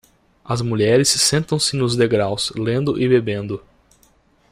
As mulheres sentam-se nos degraus, lendo e bebendo.